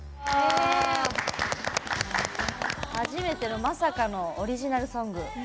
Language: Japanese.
初めてのまさかのオリジナルソング。